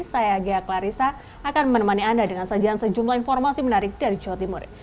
saya ghea klarissa akan menemani anda dengan sajian sejumlah informasi menarik dari jawa timur